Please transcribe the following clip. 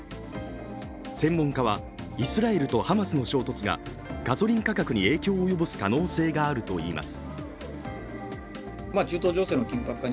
専門家はイスラエルとハマスの衝突がガソリン価格に影響を及ぼす可能性があるといいます。